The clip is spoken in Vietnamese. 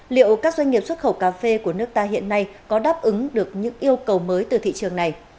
liệu các doanh nghiệp xuất khẩu cà phê của nước ta hiện nay có đáp ứng được những yêu cầu mới từ thị trường này